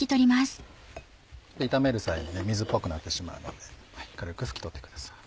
炒める際に水っぽくなってしまうので軽く拭き取ってください。